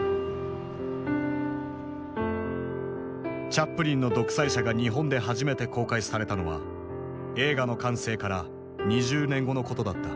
チャップリンの「独裁者」が日本で初めて公開されたのは映画の完成から２０年後のことだった。